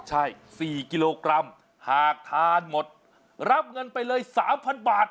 ใช่๔กิโลกรัมหากทานหมดรับเงินไปเลย๓๐๐บาท